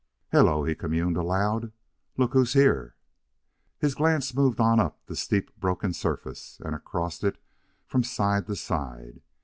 "Hello," he communed aloud, "look who's here." His glance moved on up the steep broken surface, and across it from side to side.